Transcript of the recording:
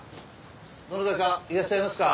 どなたかいらっしゃいますか？